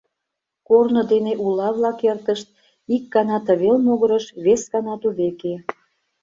Корно дене ула-влак эртышт, ик гана тывел могырыш, вес гана тувеке.